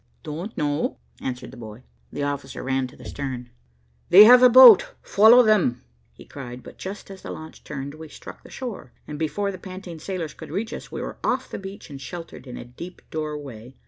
"Don't know," answered the boy. The officer ran to the stern. "They have the boat, follow them," he cried, but just as the launch turned, we struck the shore, and before the panting sailors could reach us, were off the beach and sheltered in a deep doorway.